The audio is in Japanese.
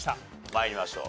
参りましょう。